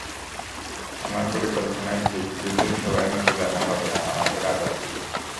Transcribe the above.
আমার পরিকল্পনাই ঠিক, দ্রুতই সবাই নতজানু হবে আর আমাকে রাজা বলবে।